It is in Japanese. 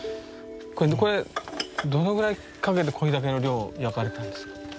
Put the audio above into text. これどのぐらいかけてこれだけの量焼かれたんですか？